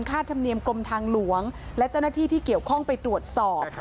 ธรรมเนียมกรมทางหลวงและเจ้าหน้าที่ที่เกี่ยวข้องไปตรวจสอบ